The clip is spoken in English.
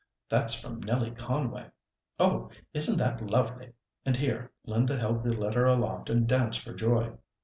That's from Nellie Conway. Oh! isn't that lovely?" and here Linda held the letter aloft, and danced for joy.